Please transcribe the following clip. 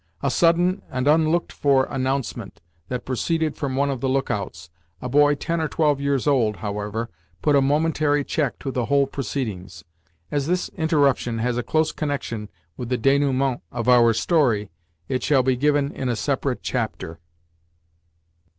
A sudden and unlooked for announcement, that proceeded from one of the look outs, a boy ten or twelve years old, however, put a momentary check to the whole proceedings. As this interruption has a close connection with the dénouement of our story, it shall be given in a separate chapter.